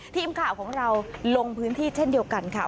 ทีมข่าวของเราลงพื้นที่เช่นเดียวกันค่ะ